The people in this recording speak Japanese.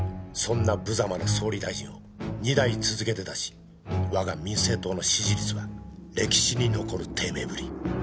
そんな無様な総理大臣を２代続けて出し我が民政党の支持率は歴史に残る低迷ぶり